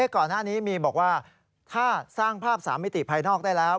ก่อนหน้านี้มีบอกว่าถ้าสร้างภาพ๓มิติภายนอกได้แล้ว